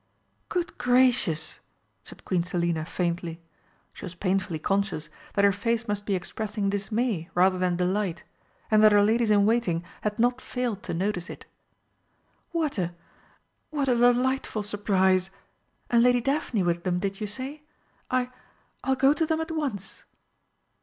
"Good gracious!" said Queen Selina faintly. She was painfully conscious that her face must be expressing dismay rather than delight, and that her ladies in waiting had not failed to notice it. "What a what a delightful surprise! And Lady Daphne with them, did you say? I I'll go to them at once!"